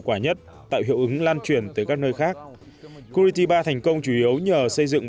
quả nhất tạo hiệu ứng lan truyền tới các nơi khác curitiba thành công chủ yếu nhờ xây dựng